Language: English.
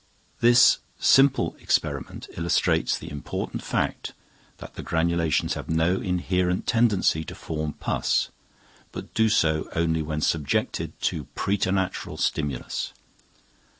This simple experiment illustrates the important fact that granulations have no inherent tendency to form pus, but do so only when subjected to preternatural stimulus.